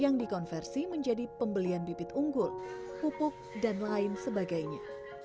yang dikonversi menjadi pembelian bibit unggul pupuk dan lain sebagainya